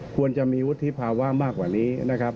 ควรจะมีวุฒิภาวะมากกว่านี้นะครับ